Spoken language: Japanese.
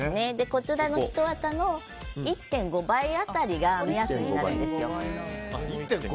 こちらのひとあたの１．５倍当たりが目安になるんですよ。